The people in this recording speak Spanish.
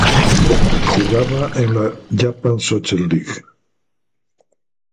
Jugaba en la Japan Soccer League.